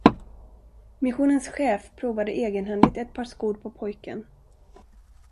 Missionens chef provade egenhändigt ett par skor på pojken.